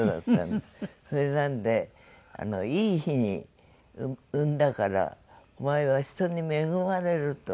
それなんで「いい日に産んだからお前は人に恵まれる」と。